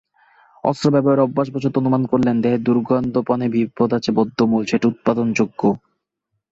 অস্ত্রব্যবহারের অভ্যাসবশত অনুমান করলেন, দেহের দুর্গম গহনে বিপদ আছে বদ্ধমূল, সেটা উৎপাটনযোগ্য।